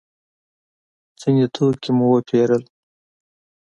ځینې توکي مو وپېرل.